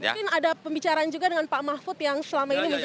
mungkin ada pembicaraan juga dengan pak mahfud yang selama ini menjadi